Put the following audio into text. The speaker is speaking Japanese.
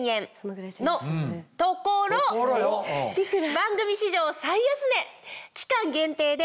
番組史上最安値期間限定で。